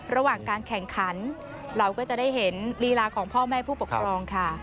ระหว่างการแข่งขันเราก็จะได้เห็นลีลาของพ่อแม่ผู้ปกครองค่ะ